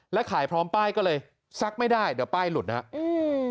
และขายพร้อมป้ายก็เลยซักไม่ได้เดี๋ยวป้ายหลุดนะครับอืม